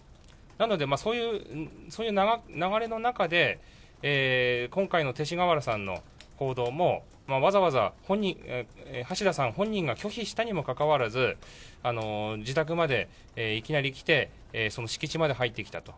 なので、そういう流れの中で、今回の勅使河原さんの行動も、わざわざ橋田さん本人が拒否したにもかかわらず、自宅までいきなり来て、敷地まで入ってきたと。